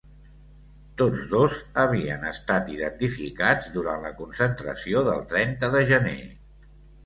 Tots dos havien estat identificats durant la concentració del trenta de gener.